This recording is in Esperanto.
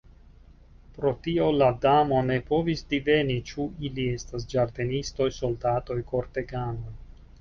Pro tio la Damo ne povis diveni ĉu ili estas ĝardenistoj, soldatoj, korteganoj.